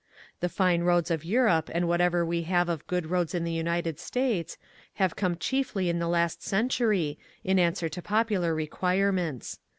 The fine roads of Europe and whatever we have of good roads in the United States have come chiefly in the last centurv in an swer to popular requirements.